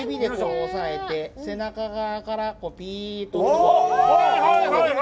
押さえて、背中側からピーっと。